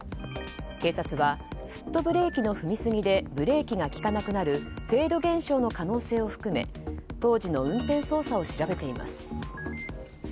警察はフットブレーキの踏みすぎでブレーキが利かなくなるフェード現象の可能性も含め当時の運転操作を調べています。